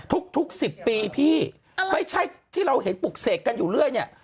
ทุก๑๐ปีพี่ไม่ใช่ที่เราเห็นปลุกเสกกันอยู่เรื่อยเนี่ย